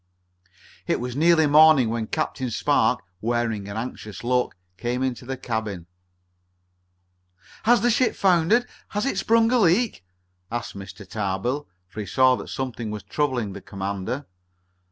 It was nearly morning when Captain Spark, wearing an anxious look, came into the cabin. "Has the ship foundered? Has it sprung a leak?" asked Mr. Tarbill, for he saw that something was troubling the commander.